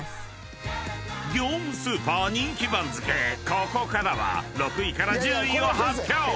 ［ここからは６位から１０位を発表！］